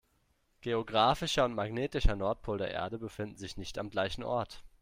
Geographischer und magnetischer Nordpol der Erde befinden sich nicht am gleichen Ort.